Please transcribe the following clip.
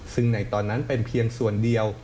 ซึ่งในตอนนั้นเป็นเพียงส่วนเดียว